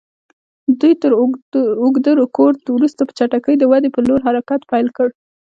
دوی تر اوږده رکود وروسته په چټکۍ د ودې پر لور حرکت پیل کړ.